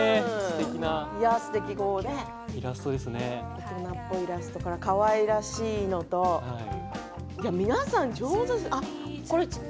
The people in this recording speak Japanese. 大人っぽいイラストからかわいらしいのと皆さん上手。